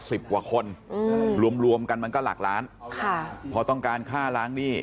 สิบกว่าคนอืมรวมรวมกันมันก็หลักล้านค่ะพอต้องการค่าล้างหนี้